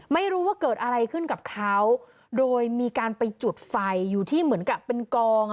ไม่รู้ว่าเกิดอะไรขึ้นกับเขาโดยมีการไปจุดไฟอยู่ที่เหมือนกับเป็นกอง